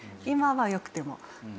今はよくても。